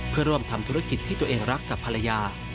เพื่อร่วมทำธุรกิจที่ตัวเองรักกับภรรยา